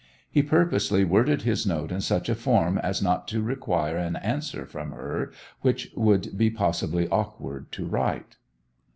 He purposely worded his note in such a form as not to require an answer from her which would be possibly awkward to write.